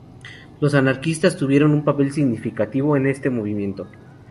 Los anarquistas tuvieron un papel significativo en este movimiento.